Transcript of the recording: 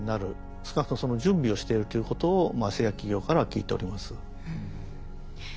少なくともその準備をしてるということを製薬企業からは聞いております。